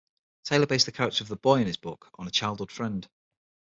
Taylor based the character of the boy in his book on a childhood friend.